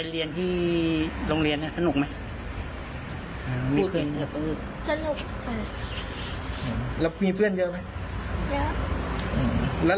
ส่วนใหญ่เล่นอะไรกัน